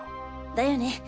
だよね。